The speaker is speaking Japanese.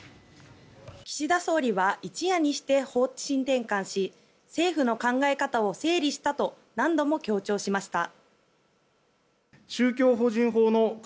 岸田総理は一夜にして方針転換し政府の考え方を整理したと何度も強調しました。